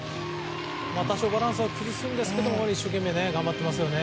多少バランスは崩しますが一生懸命頑張っていますね。